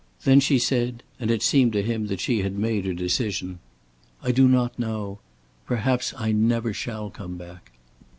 Then she said and it seemed to him that she had made her decision: "I do not know. Perhaps I never shall come back."